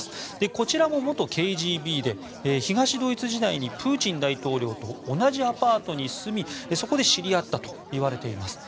こちらも元ＫＧＢで東ドイツ時代にプーチン大統領と同じアパートに住みそこで知り合ったといわれています。